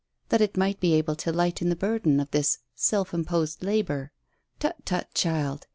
That it might be able to lighten the burden of this self imposed labour. Tut, tut, child.